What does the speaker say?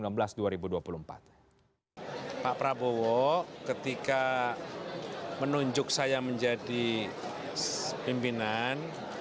muzani mengatakan bahwa ketika saya menjadi pimpinan